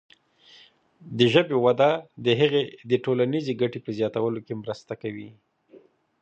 د ژبې وده د هغې د ټولنیزې ګټې په زیاتولو کې مرسته کوي.